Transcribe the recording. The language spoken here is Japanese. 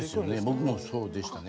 僕もそうでしたね。